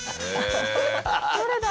どれだ？